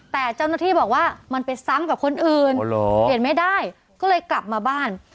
แต่เจ้าหน้าที่บอกว่ามันไปซ้ำกับคนอื่นเปลี่ยนไม่ได้ก็เลยกลับมาบ้าน